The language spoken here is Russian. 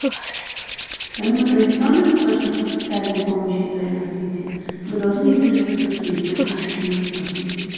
Помимо традиционных источников официальной помощи в целях развития, мы должны изыскивать другие источники финансирования.